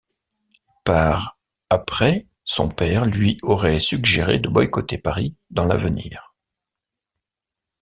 Par après, son père lui aurait suggérer de boycotter Paris dans l'avenir.